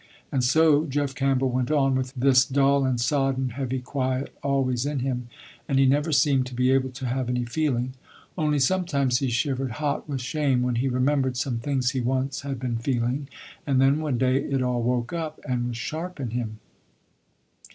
And so Jeff Campbell went on with this dull and sodden, heavy, quiet always in him, and he never seemed to be able to have any feeling. Only sometimes he shivered hot with shame when he remembered some things he once had been feeling. And then one day it all woke up, and was sharp in him.